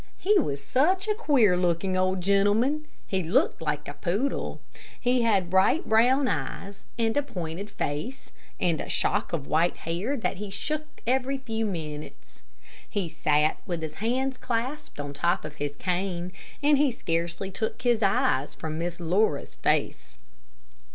He was such a queer looking old gentleman. He looked like a poodle. He had bright brown eyes, and a pointed face, and a shock of white hair that he shook every few minutes. He sat with his hands clasped on the top of his cane, and he scarcely took his eyes from Miss Laura's face.